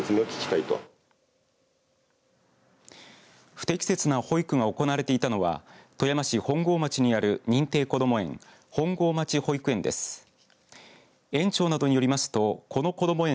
不適切な保育が行われていたのは富山市本郷町にある認定こども園